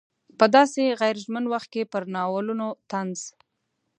په داسې غیر ژمن وخت کې پر ناولونو طنز.